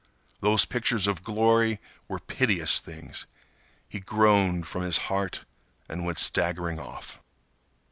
Those pictures of glory were piteous things. He groaned from his heart and went staggering off.